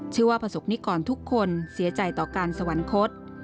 ประสบนิกรทุกคนเสียใจต่อการสวรรคต